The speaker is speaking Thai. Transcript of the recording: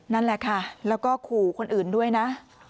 นั่นแหละค่ะแล้วก็ขู่คนอื่นด้วยนะ